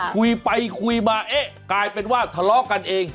คุยไปคุยมาเอ๊ะกลายเป็นว่าทะเลาะกันเอง